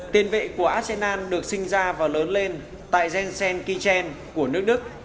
tiền vệ của arsenal được sinh ra và lớn lên tại jensen kijen của nước đức